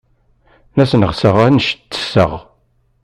La sneɣseɣ anect tesseɣ.